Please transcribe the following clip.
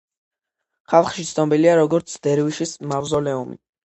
ხალხში ცნობილია როგორც „დერვიშის“ მავზოლეუმი.